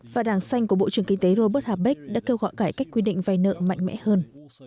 và đảng xanh của bộ trưởng kinh tế robert habeck đã kêu gọi cải cách quy định vay nợ mạnh mẽ hơn